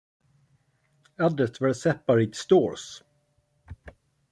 Others were separate stores.